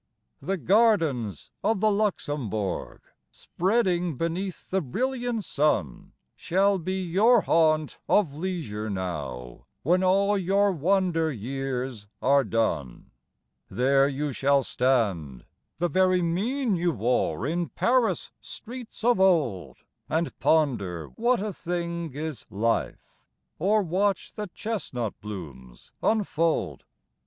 The gardens of the Luxembourg, Spreading beneath the brilliant sun, Shall be your haunt of leisure now When all your wander years are done. There you shall stand, the very mien You wore in Paris streets of old, And ponder what a thing is life, Or watch the chestnut blooms unfold.